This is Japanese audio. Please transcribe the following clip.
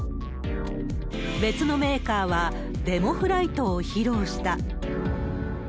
別のメーカーは、デモフライトを披露した。